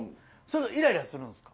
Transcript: イライラするんすか？